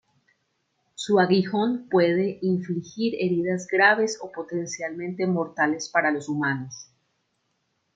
Su aguijón puede infligir heridas graves o potencialmente mortales para los humanos.